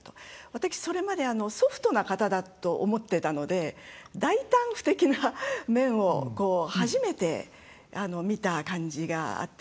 私、それまでソフトな方だと思ってたので大胆不敵な面を初めて見た感じがあって、印象的でした。